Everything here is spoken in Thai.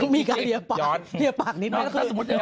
มีการเหลี่ยวปาก